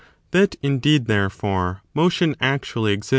That, indeed, therefore, motion actually exists, 4.